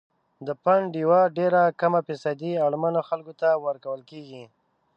د فنډ یوه ډیره کمه فیصدي اړمنو خلکو ته ورکول کیږي.